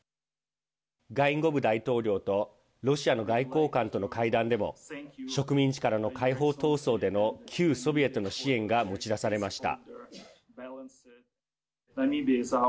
ガインゴブ大統領とロシアの外交官との会談でも植民地からの解放闘争での旧ソビエトの支援がもち出されました。